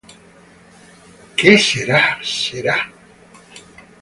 Que sera?